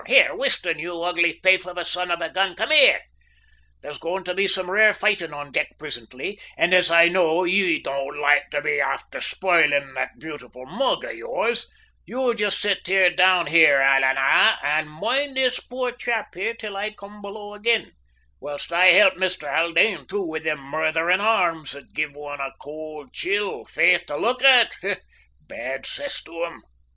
Here, Weston, you ugly thaife of a son of a gun, come here! There's going to be some rare foightin' on deck prisintly; an' as I know ye don't loike to be afther spoilin' that beautiful mug o' yours, you jist sit down there, alannah, an' moind this poor chap here till I come below ag'in, whilst I help Musther Haldane, too, with thim murtherin' arms that give one a could chill, faith, to look at, bad cess to 'em."